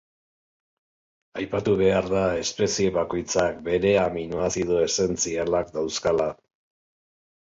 Aipatu behar da espezie bakoitzak bere aminoazido esentzialak dauzkala.